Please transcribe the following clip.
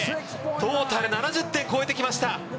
トータル７０点を超えてきました！